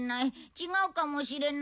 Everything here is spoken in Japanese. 違うかもしれない。